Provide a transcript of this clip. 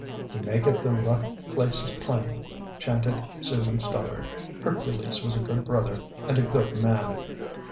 "He maketh the rough places plain," chanted Susan Stoddard. "Hercules was a good brother and a good man!"